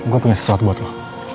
gue punya sesuatu buat lo